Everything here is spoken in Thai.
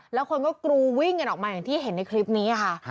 แล้วคนก็กรูวิ่งกันออกมาอย่างที่เห็นในคลิปนี้ค่ะ